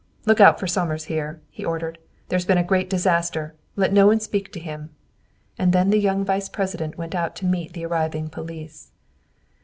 "Look out for Somers, here," he ordered. "There's been a great disaster. Let no one speak to him." And then the young vice president went out to meet the arriving police.